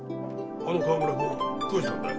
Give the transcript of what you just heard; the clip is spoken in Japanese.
あの川村君どうしたんだい？